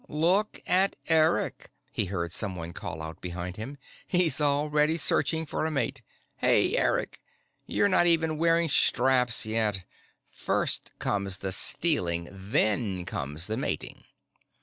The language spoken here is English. "Look at Eric!" he heard someone call out behind him. "He's already searching for a mate. Hey, Eric! You've not even wearing straps yet. First comes the stealing. Then comes the mating."